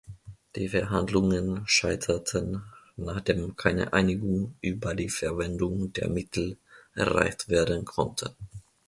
Die Verhandlungen scheiterten, nachdem keine Einigung über die Verwendung der Mittel erreicht werden konnte.